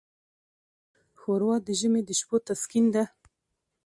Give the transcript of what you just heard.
ښوروا د ژمي د شپو تسکین ده.